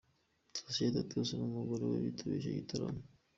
Thacien Titus n'umugore we bitabiriye icyo giterane.